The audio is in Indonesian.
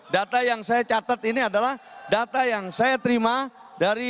data yang saya catat ini adalah data yang saya terima dari